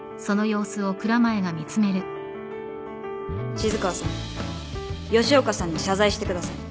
静川さん吉岡さんに謝罪してください。